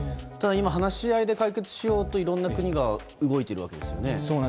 ただ今、話し合いで解決しようといろんな国が動いているんですよね。